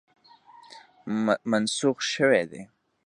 منسوخ شوی دی.